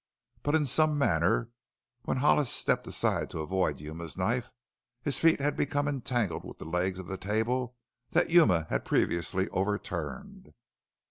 But in some manner when Hollis stepped aside to avoid Yuma's knife, his feet had become entangled with the legs of the table that Yuma had previously overturned.